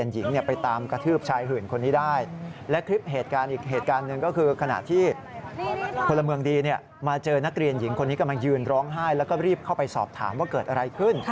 ยืนร้องไห้แล้วก็รีบเข้าไปสอบถามว่าเกิดอะไรขึ้น